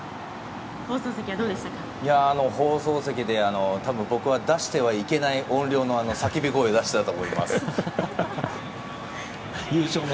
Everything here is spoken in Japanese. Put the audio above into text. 放送席で僕は出してはいけない音量の叫び声を出していたと思います。